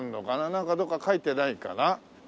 なんかどこか書いてないかな？